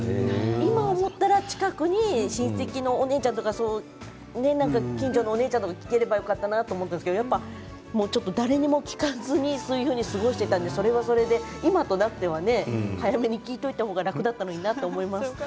今、思ったら近くに親戚のお姉ちゃんとか近所のお姉ちゃんとか聞ければよかったなと思うんですけどちょっと誰にも聞かずに過ごしていたのでそれはそれで今となっては早めに聞いておいた方が楽だったのにと思います。